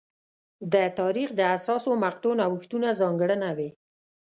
د تاریخ د حساسو مقطعو نوښتونه ځانګړنه وې.